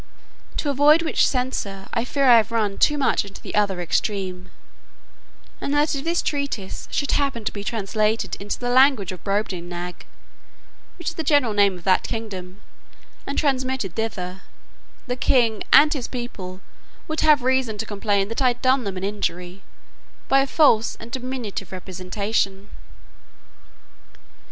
To avoid which censure I fear I have run too much into the other extreme; and that if this treatise should happen to be translated into the language of Brobdingnag (which is the general name of that kingdom,) and transmitted thither, the king and his people would have reason to complain that I had done them an injury, by a false and diminutive representation.